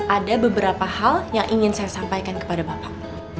ada beberapa hal yang ingin saya sampaikan kepada bapak